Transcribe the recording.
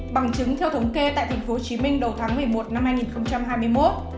bằng chứng theo thống kê tại tp hcm đầu tháng một mươi một năm hai nghìn hai mươi một